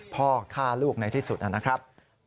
พ่อฆ่าลูกในที่สุดนะครับ